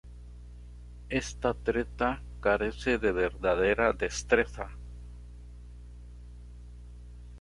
Esta treta carece de verdadera destreza.